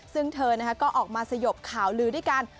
ซึ่งเธอก็ออกมาสยบข่าวลือด้วยกัน